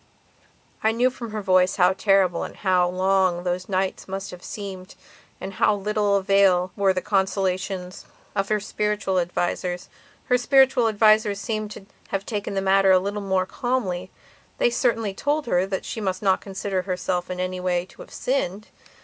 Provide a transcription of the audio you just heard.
I knew from her voice how terrible and how long those nights must have seemed and of how little avail were the consolations of her spiritual advisers. Her spiritual advisers seemed to have taken the matter a little more calmly. They certainly told her that she must not consider herself in any way to have sinned.